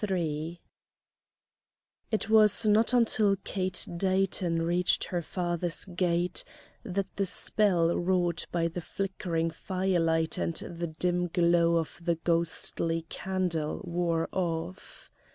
III It was not until Kate Dayton reached her father's gate that the spell wrought by the flickering firelight and the dim glow of the ghostly candle wore off.